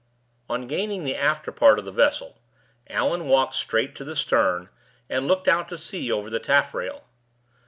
On gaining the after part of the vessel, Allan walked straight to the stern, and looked out to sea over the taffrail.